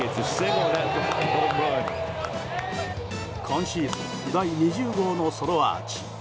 今シーズン第２０号のソロアーチ。